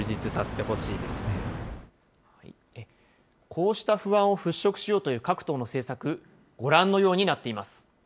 こうした不安を払拭しようという各党の政策、ご覧のようになっています。